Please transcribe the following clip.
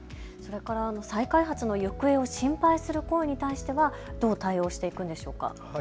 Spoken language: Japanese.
再開発の行方を心配する声に対してはどう対応していくんでしょうか。